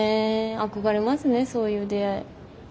憧れますねそういう出会い。